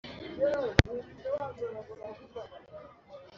Iyo Rutegetse Ingwate Rugaragaza Ko Ihagije